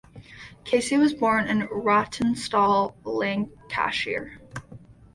Casey was born in Rawtenstall, Lancashire.